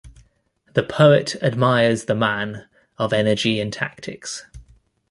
The poet admires the man of energy and tactics.